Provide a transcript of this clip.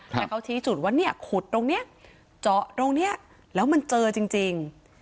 แต่เขาชี้จุดว่าเนี่ยขุดตรงนี้เจาะตรงนี้แล้วมันเจอจริง